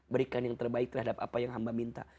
berikan yang terbaik terhadap apa yang hamba minta